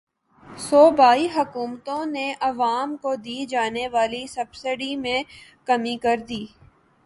صوبائی حکومتوں نے عوام کو دی جانے والی سبسڈی میں کمی کردی